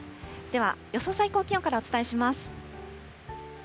では予想最高気温からお伝えします。